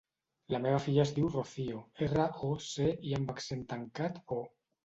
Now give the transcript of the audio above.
La meva filla es diu Rocío: erra, o, ce, i amb accent tancat, o.